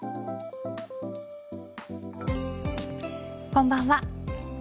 こんばんは。